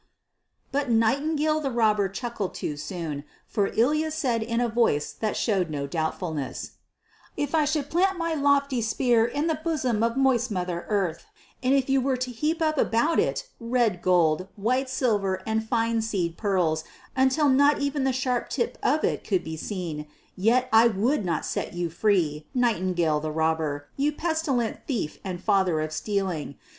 But Nightingale the Robber chuckled too soon, for Ilya said in a voice that showed no doubtfulness, "If I should plant my lofty spear in the bosom of moist Mother Earth, and if you were to heap up about it red gold, white silver, and fine seed pearls until not even the sharp tip of it could be seen, yet would I not set you free, Nightingale the Robber, you pestilent thief and father of stealing.